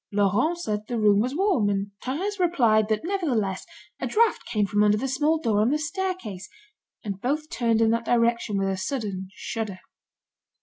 Laurent said the room was warm, and Thérèse replied that, nevertheless, a draught came from under the small door on the staircase, and both turned in that direction with a sudden shudder.